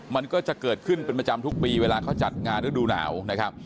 มันก็จะเกิดขึ้นเป็นประจำทุกปีเวลาเขาจัดงานฤดูหนาวนะครับ